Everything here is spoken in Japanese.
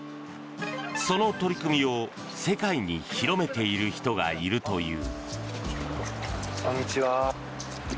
その取り組みを、世界に広めている人がいるという。